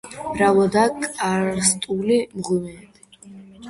მრავლადაა კარსტული მღვიმეები.